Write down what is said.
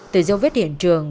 từ dấu vết hiện trường